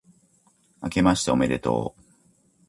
あけましておめでとう